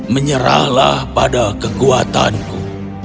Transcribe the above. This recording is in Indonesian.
menyerahlah pada kekuatanku